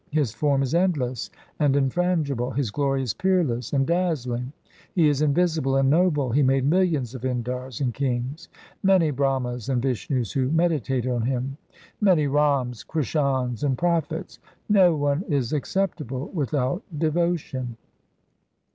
His form is endless and infrangible, His glory is peerless and dazzling, He is invisible and noble, He made millions of Indars and kings, Many Brahmas and Vishnus who meditate on Him, Many Rams, Krishans, and prophets — No one is acceptable without devotion.